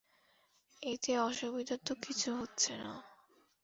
এতে অসুবিধা তো কিছু হচ্ছে না।